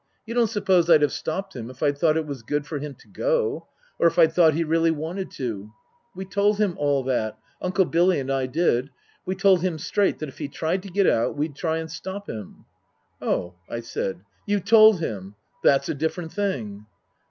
You don't suppose I'd have stopped him if I'd thought it was good for him to go ? Or if I'd thought he really wanted to ? We told him all that Uncle Billy and I did we told him straight that if he tried to get out we'd try and stop him." " Oh," I said, " you told him. That's a different thing."